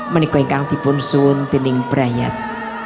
menikoh ingkang tipun suwun dining brayat